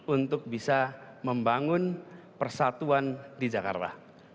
untuk bisa membangun persatuan di jakarta